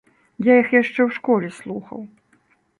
Я іх яшчэ ў школе слухаў.